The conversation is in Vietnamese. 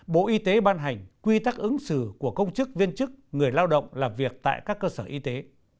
bộ y tế ban hành quy tắc ứng xử của công chức viên chức người lao động làm việc tại các cơ sở y tế